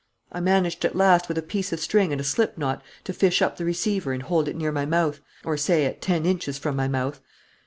"I managed at last with a piece of string and a slip knot to fish up the receiver and hold it near my mouth, or, say, at ten inches from my mouth.